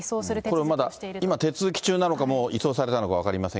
これまだ、今、手続き中なのか、移送されたのか分かりません